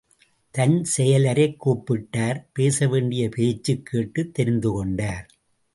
தன் செயலரைக் கூப்பிட்டார் பேசவேண்டிய பேச்சு—கேட்டுத் தெரிந்துகொண்டார்.